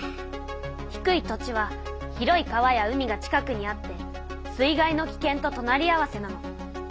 低い土地は広い川や海が近くにあって水害のきけんととなり合わせなの。